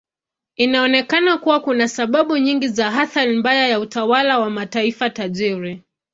Inaonekana kuwa kuna sababu nyingi za athari mbaya ya utawala wa mataifa tajiri.